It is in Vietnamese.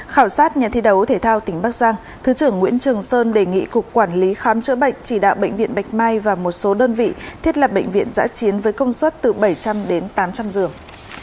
khảo sát nhà thi đấu thể thao tỉnh bắc giang thứ trưởng nguyễn trường sơn đề nghị cục quản lý khám chữa bệnh chỉ đạo bệnh viện bạch mai và một số đơn vị thiết lập bệnh viện giã chiến với công suất từ bảy trăm linh đến tám trăm linh giường